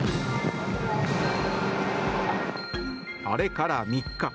あれから３日。